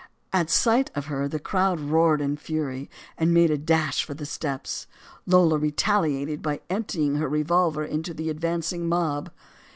At sight of her the crowd roared in fury and made a. dash for the steps. Lola retaliated by emptying her revolver into the advancing mob.